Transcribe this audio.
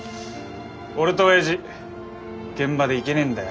俺とおやじ現場で行けねえんだよ